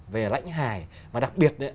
về lãnh hải và đặc biệt